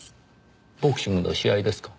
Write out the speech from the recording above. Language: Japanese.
ボクシングの試合ですか。